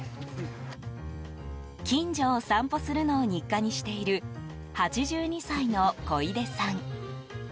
近所を散歩するのを日課にしている８２歳の小出さん。